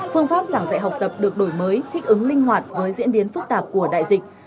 phương pháp giảng dạy học tập được đổi mới thích ứng linh hoạt với diễn biến phức tạp của đại dịch